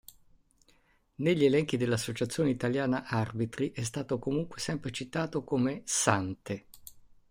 Negli elenchi dell'Associazione Italiana Arbitri è stato comunque sempre citato come "Sante".